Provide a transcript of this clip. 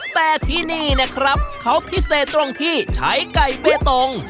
แต่ที่นี่นะครับเขาพิเศษตรงที่ใช้ไก่เบตง